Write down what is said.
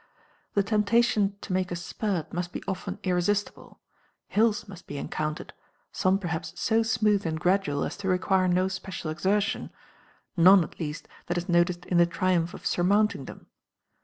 The temptation to make a spurt must be often irresistible; hills must be encountered, some perhaps so smooth and gradual as to require no special exertion, none, at least, that is noticed in the triumph of surmounting them.